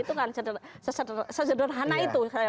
iya lah itu kan sejederhana itu saya melihatnya